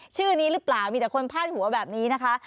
ชื่อนี้หรือเปล่ามีแต่คนพาดหัวแบบนี้นะคะ